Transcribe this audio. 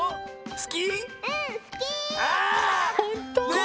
すき！